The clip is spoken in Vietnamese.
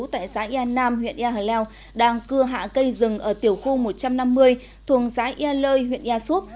tại giãi ea nam huyện ea hờ leo đang cưa hạ cây rừng ở tiểu khu một trăm năm mươi thuồng giãi ea lơi huyện ea suốt